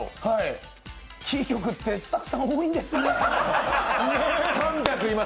キー局って、スタッフさん多いんですね。